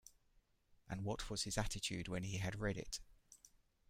And what was his attitude when he had read it?